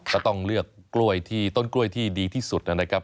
ก็ต้องเลือกกล้วยที่ต้นกล้วยที่ดีที่สุดนะครับ